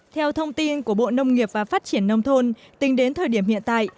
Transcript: theo thông tin của bộ nông nghiệp và phát triển nông thôn tính đến thời điểm hiện tại